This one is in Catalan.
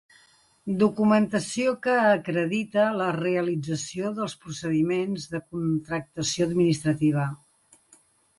Documentació que acredita la realització dels procediments de contractació administrativa.